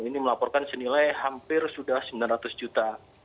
ini melaporkan senilai hampir sudah sembilan ratus juta